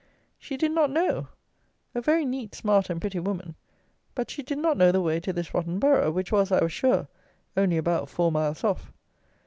She did not know! A very neat, smart, and pretty woman; but she did not know the way to this rotten borough, which was, I was sure, only about four miles off!